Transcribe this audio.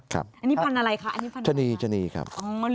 ขนอีกครับ